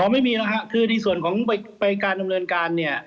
ไม่มีแล้วค่ะคือในส่วนของไปการดำเนินการ